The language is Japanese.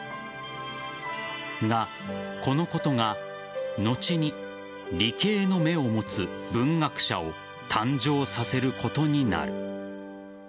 が、このことが後に理系の目を持つ文学者を誕生させることになる。